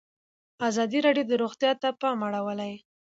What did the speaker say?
ازادي راډیو د روغتیا ته پام اړولی.